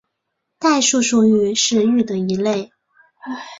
代数数域是域的一类。